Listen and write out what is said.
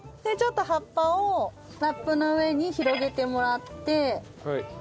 でちょっと葉っぱをラップの上に広げてもらって。